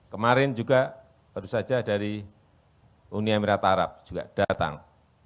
kemarin juga baru saja dari uni emirat arab juga datang